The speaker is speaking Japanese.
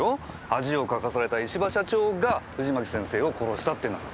恥をかかされた石場社長が藤巻先生を殺したってなら。